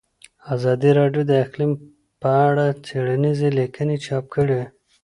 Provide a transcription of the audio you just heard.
ازادي راډیو د اقلیم په اړه څېړنیزې لیکنې چاپ کړي.